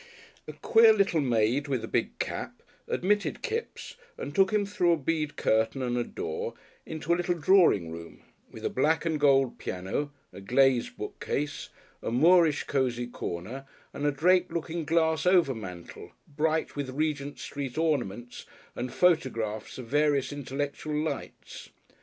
A queer little maid, with a big cap, admitted Kipps and took him through a bead curtain and a door into a little drawing room, with a black and gold piano, a glazed bookcase, a Moorish cosy corner and a draped looking glass over mantel bright with Regent Street ornaments and photographs of various intellectual lights.